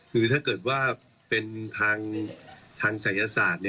คือถ้าเกิดว่าเป็นทางศัยศาสตร์